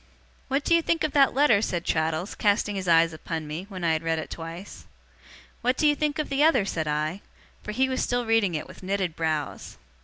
'What do you think of that letter?' said Traddles, casting his eyes upon me, when I had read it twice. 'What do you think of the other?' said I. For he was still reading it with knitted brows.